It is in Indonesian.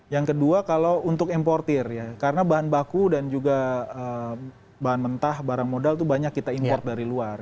yang kedua kalau untuk importir ya karena bahan baku dan juga bahan mentah barang modal itu banyak kita import dari luar